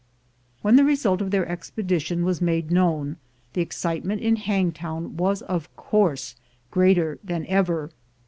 When the result of their expedition was made known, the excitement in Hangtown was of course greater than ever.